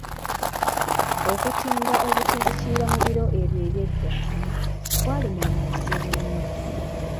Okutinda obutinzi Kiyira mu biro ebyo eby'edda, gwali mulimu muzibu nnyo.